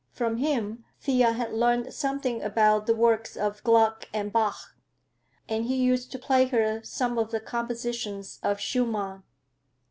From him Thea had learned something about the works of Gluck and Bach, and he used to play her some of the compositions of Schumann.